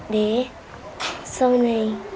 để sau này